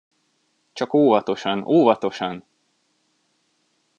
Csak óvatosan, óvatosan!